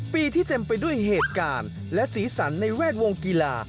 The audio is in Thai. ปีที่เต็มไปด้วยเหตุการณ์และสีสันในแวดวงกีฬา